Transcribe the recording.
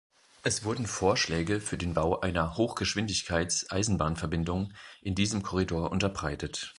Es wurden Vorschläge für den Bau einer Hochgeschwindigkeits-Eisenbahnverbindung in diesem Korridor unterbreitet.